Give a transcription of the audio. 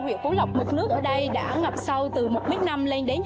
huyện cú lộc mực nước ở đây đã ngập sâu từ một năm m lên đến hai m